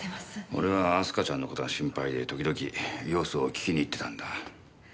俺は明日香ちゃんの事が心配で時々様子を聞きにいってたんだ。